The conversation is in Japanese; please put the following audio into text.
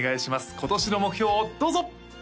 今年の目標をどうぞ！